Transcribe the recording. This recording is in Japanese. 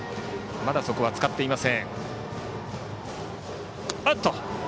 まだそこは使っていません。